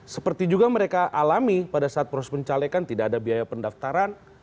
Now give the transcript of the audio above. seperti juga mereka alami pada saat proses pencalekan tidak ada biaya pendaftaran